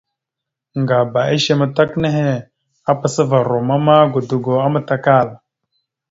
Ŋgaba ishe amətak nehe, apasəva romma ma, godogo amatəkal.